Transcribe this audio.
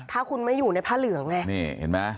ถ้าคุณไม่อยู่ในพระเหลืองเนี่ย